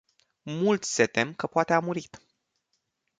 Mulți se tem că poate a murit.